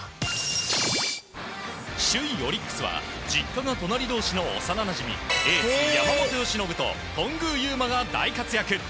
首位オリックスは実家が隣同士の幼なじみエース、山本由伸と頓宮裕真が大活躍。